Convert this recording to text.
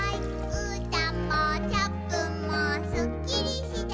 「うーたんもチャップンもスッキリして」